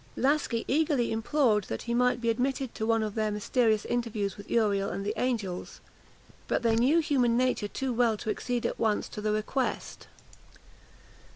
Laski eagerly implored that he might be admitted to one of their mysterious interviews with Uriel and the angels; but they knew human nature too well to accede at once to the request.